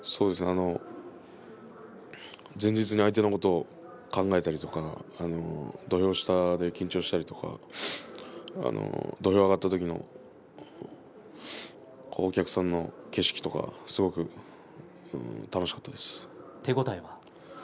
前日に相手のことを考えたり土俵下で緊張したり土俵上がった時お客さんの景色とかすごく楽しかったです。